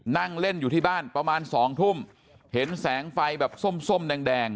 นั่งเล่นอยู่ที่บ้านประมาณสองทุ่มเห็นแสงไฟแบบส้มส้มแดง